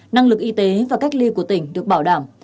năng lực y tế và cách ly của tỉnh được bảo đảm